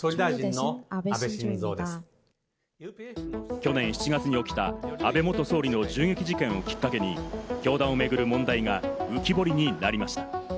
去年７月に起きた安倍元総理の銃撃事件をきっかけに、教団を巡る問題が浮き彫りになりました。